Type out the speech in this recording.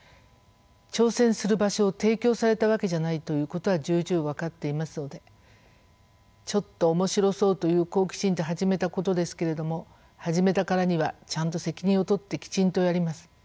挑戦する場所を提供されたわけじゃないということは重々分かっていますので「ちょっと面白そう」という好奇心で始めたことですけれども始めたからにはちゃんと責任を取ってきちんとやります。